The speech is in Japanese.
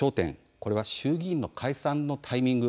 これは衆議院の解散のタイミング。